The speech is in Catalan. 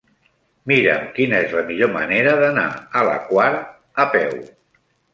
Mira'm quina és la millor manera d'anar a la Quar a peu.